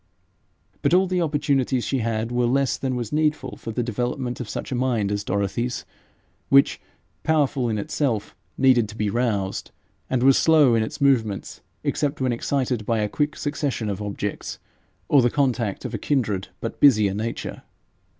But all the opportunities she yet had were less than was needful for the development of such a mind as Dorothy's, which, powerful in itself, needed to be roused, and was slow in its movements except when excited by a quick succession of objects, or the contact of a kindred but busier nature.